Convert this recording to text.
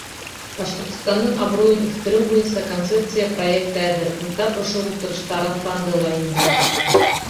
Башҡортостандың абруйын үҫтереү буйынса концепция проекты әҙер, ул тап ошо ултырышта раҫланды ла инде.